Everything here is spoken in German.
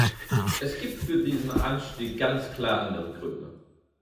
Es gibt für diesen Anstieg ganz klar andere Gründe.